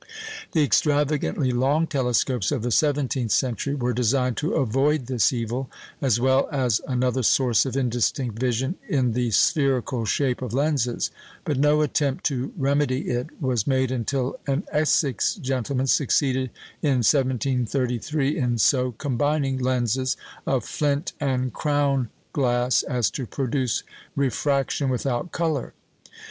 The extravagantly long telescopes of the seventeenth century were designed to avoid this evil (as well as another source of indistinct vision in the spherical shape of lenses); but no attempt to remedy it was made until an Essex gentleman succeeded, in 1733, in so combining lenses of flint and crown glass as to produce refraction without colour.